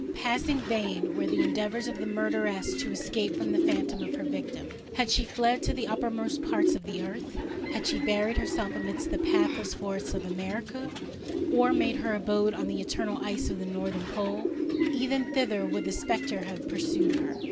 passing vain were the endeavours of the murderess to escape from the phantom of her victim:—had she fled to the uttermost parts of the earth—had she buried herself amidst the pathless forests of America, or made her abode on the eternal ice of the northern pole,—even thither would the spectre have pursued her!